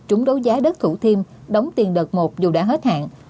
chúng đấu giá đất thủ thiêm đóng tiền đợt một dù đã hết hạn